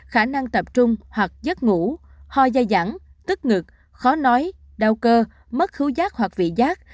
khả năng tập trung hoặc giấc ngủ ho dài dẳng tức ngực khó nói đau cơ mất thú giác hoặc vị giác